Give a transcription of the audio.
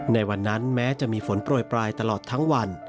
ในวันนั้นแม้จะมีฝนโปรยปลายตลอดทั้งวัน